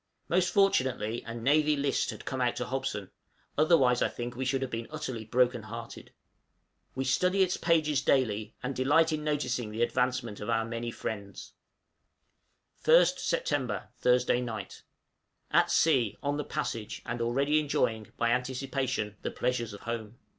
Most fortunately a 'Navy List' had come out to Hobson, otherwise I think we should have been utterly brokenhearted. We study its pages daily, and delight in noticing the advancement of our many friends. {SEPT., 1859.} 1st Sept., Thursday night. At sea, on the passage, and already enjoying, by anticipation, the pleasures of home!